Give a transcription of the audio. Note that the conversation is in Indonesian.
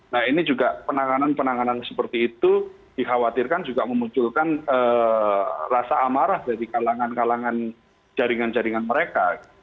nah ini juga penanganan penanganan seperti itu dikhawatirkan juga memunculkan rasa amarah dari kalangan kalangan jaringan jaringan mereka